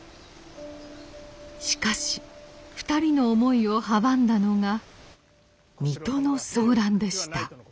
しかし２人の思いを阻んだのが水戸の騒乱でした。